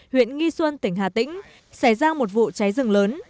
huyện nghi xuân tỉnh hà tĩnh xảy ra một vụ cháy rừng lớn